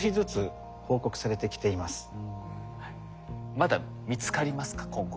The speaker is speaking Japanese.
まだ見つかりますか今後。